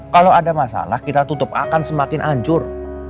kalau ada masalah kita tutup akan semakin hancur